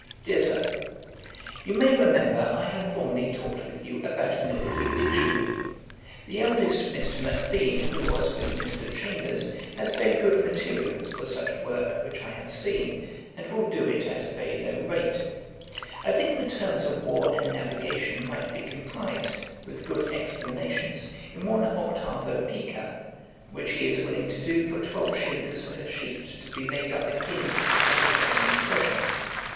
] 'DEAR SIR, 'You may remember I have formerly talked with you about a Military Dictionary. The eldest Mr. Macbean, who was with Mr. Chambers, has very good materials for such a work, which I have seen, and will do it at a very low rate. I think the terms of War and Navigation might be comprised, with good explanations, in one 8vo. Pica, which he is willing to do for twelve shillings a sheet, to be made up a guinea at the second impression.